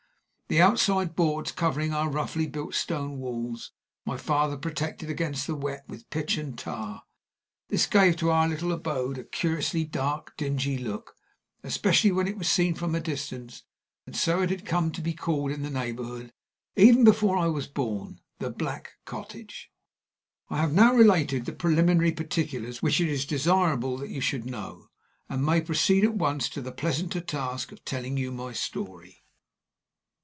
The outside boards, covering our roughly built stone walls, my father protected against the wet with pitch and tar. This gave to our little abode a curiously dark, dingy look, especially when it was seen from a distance; and so it had come to be called in the neighborhood, even before I was born, The Black Cottage. I have now related the preliminary particulars which it is desirable that you should know, and may proceed at once to the pleasanter task of telling you my story.